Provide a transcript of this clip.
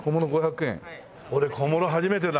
俺小諸初めてだ。